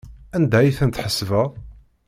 Anda ay ten-tḥesbeḍ?